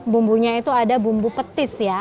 bumbunya itu ada bumbu petis ya